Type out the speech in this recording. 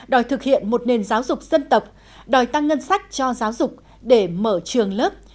đòi thực hiện một nền giáo dục dân tộc đòi tăng ngân sách cho giáo dục để mở trường lớp